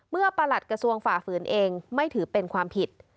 ประหลัดกระทรวงฝ่าฝืนเองไม่ถือเป็นความผิด